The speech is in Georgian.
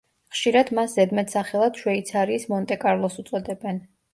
ხშირად მას ზედმეტსახელად „შვეიცარიის მონტე-კარლოს“ უწოდებენ.